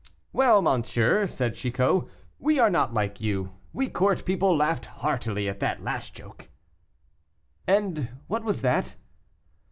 "Well, monsieur," said Chicot, "we are not like you, we court people laughed heartily at the last joke." "And what was that?"